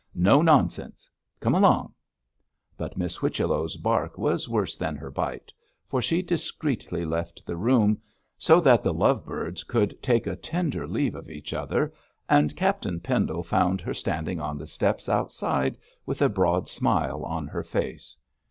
No nonsense. Come along.' But Miss Whichello's bark was worse than her bite, for she discreetly left the room, so that the love birds could take a tender leave of each other, and Captain Pendle found her standing on the steps outside with a broad smile on her face.